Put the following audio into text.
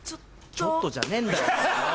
「ちょっと」じゃねえんだよ！